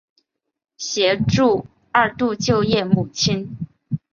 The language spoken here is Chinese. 协助二度就业母亲